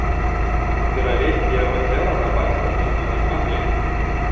Перавезці яго цела на бацькаўшчыну не змаглі.